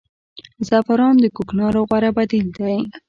زعفران د کوکنارو غوره بدیل دی